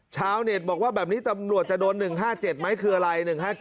ชาวเน็ตบอกว่าแบบนี้ตำรวจจะโดน๑๕๗ไหมคืออะไร๑๕๗